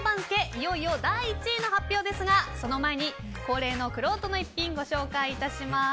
いよいよ第１位の発表ですがその前に恒例のくろうとの逸品ご紹介します。